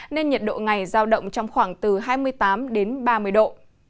nên nhiệt độ ngày giao động trong khoảng từ hai mươi tám đến ba mươi độ